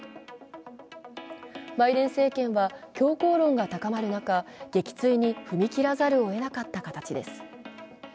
バイデン政権は強硬論が高まる中撃墜に踏み切らざるをえなかった形です。